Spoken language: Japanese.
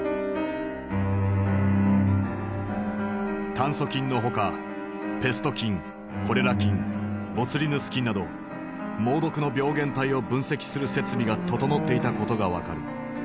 炭疽菌のほかペスト菌コレラ菌ボツリヌス菌など猛毒の病原体を分析する設備が整っていたことが分かる。